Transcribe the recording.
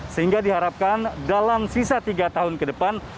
sehingga diharapkan dalam sisa tiga tahun ke depan